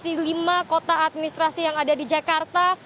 di lima kota administrasi yang ada di jakarta